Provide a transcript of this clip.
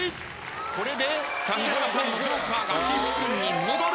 これで指原さんのＪＯＫＥＲが岸君に戻る。